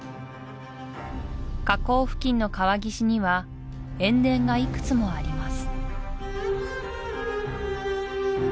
河口付近の川岸には塩田がいくつもあります